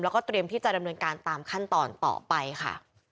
แล้วก็เตรียมที่จะดำเนินการตามขั้นตอนต่อไปค่ะ